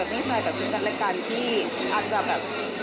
ตอนนี้ก็ยังเป็นเพื่อนกันเพื่อนสนิทกันใช่ค่ะ